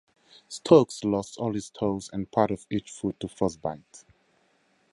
Stokes lost all his toes and part of each foot to frostbite.